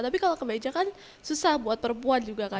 tapi kalau kemeja kan susah buat perempuan juga kan